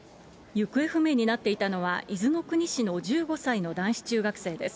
行方不明になっていたのは、伊豆の国市の１５歳の男子中学生です。